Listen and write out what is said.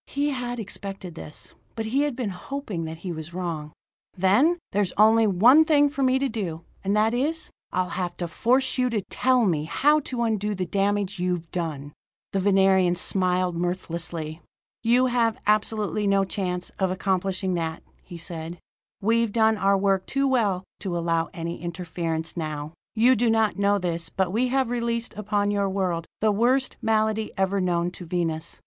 He had expected this; but he had been hoping that he was wrong. "Then there's only one thing for me to do, and that is: I'll have to force you to tell me how to undo the damage you've done." The Venerian smiled mirthlessly. "You have absolutely no chance of accomplishing that," he said. "We've done our work too well to allow any interference now. "You do not know this, but we have released upon your world the worst malady ever known to Venus.